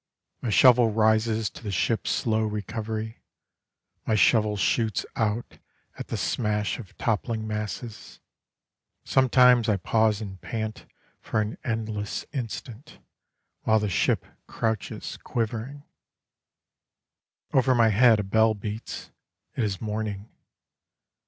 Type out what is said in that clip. My shovel rises to the ship's slow recovery, My shovel shoots out at the smash of toppling masses, Sometimes I pause and pant for an endless instant, While the ship crouches, quivering. Over my head a bell beats: it is morning.